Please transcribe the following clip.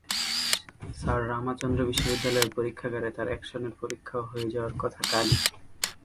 Sir Ramachandra বিশ্ববিদ্যালয়ের পরীক্ষাগারে তাঁর অ্যাকশনের পরীক্ষাও হয়ে যাওয়ার কথা কালই।